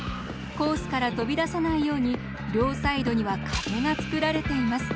コースから飛び出さないように両サイドには壁が作られています。